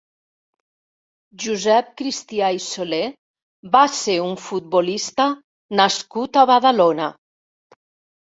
Josep Cristià i Solé va ser un futbolista nascut a Badalona.